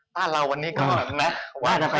ป้านเราวันนี้ก็เยอะแน่